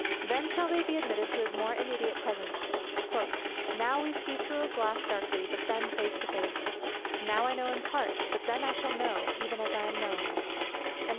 Then shall they be admitted to his more immediate presence: "Now we see through a glass darkly; but then face to face: now I know in part; but then shall I know, even as I am known."